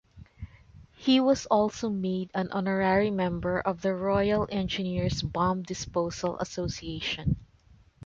He was also made an Honorary Member of the Royal Engineers Bomb Disposal Association.